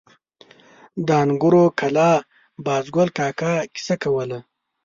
د انګورو کلا بازګل کاکا کیسه کوله.